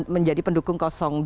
menjadi pendukung dua